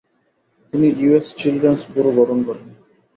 তিনি US Children's Bureau গঠন করেন।